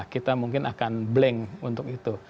kita mungkin akan blank untuk itu